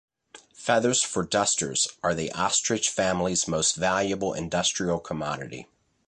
Feathers for dusters are the ostrich families most valuable industrial commodity.